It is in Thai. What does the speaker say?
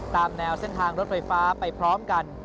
ตามแนวเส้นทางรถไฟฟ้าไปพร้อมกัน